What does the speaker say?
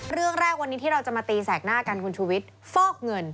เรื่องแรกวันนี้ที่เราจะมาตีแสกหน้ากันคุณชูวิทย์ฟอกเงิน